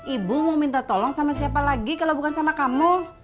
ibu mau minta tolong sama siapa lagi kalau bukan sama kamu